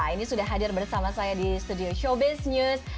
ini sudah hadir bersama saya di studio showbiz news